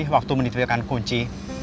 waktu menitipkan kunci